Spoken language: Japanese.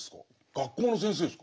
学校の先生ですか？